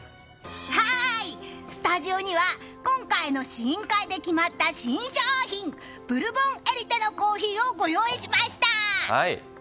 スタジオには今回の試飲会で決まった新商品ブルボンエリテのコーヒーをご用意しました！